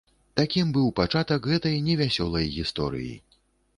Такім быў пачатак гэтай невясёлай гісторыі.